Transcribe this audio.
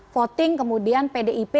voting kemudian pdip